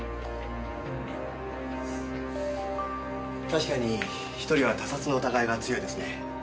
確かに１人は他殺の疑いが強いですね。